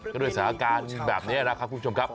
ก็ด้วยสถานการณ์แบบนี้นะครับคุณผู้ชมครับ